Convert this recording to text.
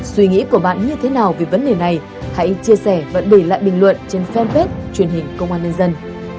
suy nghĩ của bạn như thế nào về vấn đề này hãy chia sẻ và để lại bình luận trên fanpage truyền hình công an nhân dân